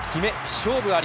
勝負あり。